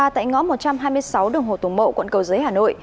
tại ngõ một trăm hai mươi sáu đường hồ tùng mậu quận cầu giấy hà nội